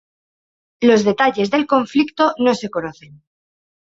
Los detalles del conflicto no se conocen.